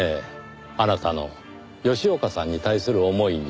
あなたの吉岡さんに対する思いに。